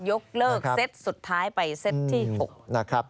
ยกเลิกเซตสุดท้ายไปเซตที่๖นะครับ